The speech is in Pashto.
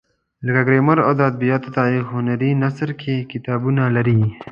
لکه ګرامر او د ادبیاتو تاریخ هنري نثر کې کتابونه لري.